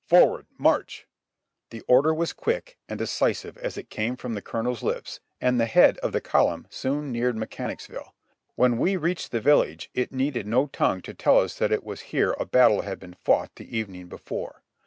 Forward, march!" The order was quick and decisive as it came from the colonel's lips, and the head of the column soon neared Mechanicsville. When we reached the village it needed no tongue to tell us that it was here a battle had been fought the evening before.